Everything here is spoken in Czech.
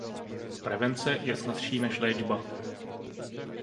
Prevence je snazší než léčba.